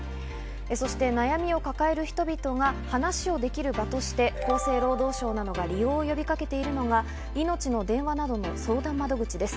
そして悩みを抱える人々が話をできる場として厚生労働省などが利用を呼びかけているのが、いのちの電話などの相談窓口です。